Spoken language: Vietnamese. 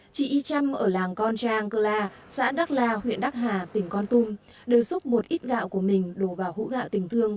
chị y chăm ở làng con giang cơ la xã đắc la huyện đắc hà tỉnh con tum đều giúp một ít gạo của mình đổ vào hũ gạo tình thương